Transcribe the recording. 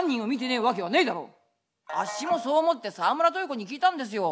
「あっしもそう思って沢村豊子に聞いたんですよ。